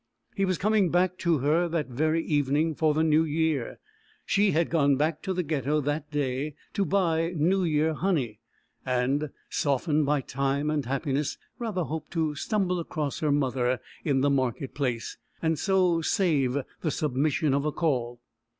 He was coming back to her that very evening for the New Year. She had gone back to the Ghetto that day to buy New Year honey, and, softened by time and happiness, rather hoped to stumble across her mother in the market place, and so save the submission of a call.